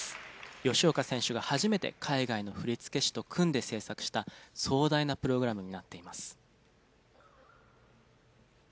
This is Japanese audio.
吉岡選手が初めて海外の振付師と組んで制作した壮大なプログラムになっています。